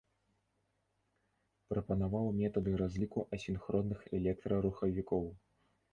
Прапанаваў метады разліку асінхронных электрарухавікоў.